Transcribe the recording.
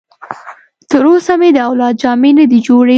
تر اوسه مې د اولاد جامې نه دي جوړې.